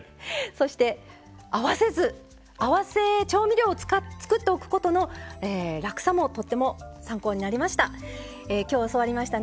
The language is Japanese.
そして合わせ酢合わせ調味料を作っておくことの楽さもとっても参考になりました。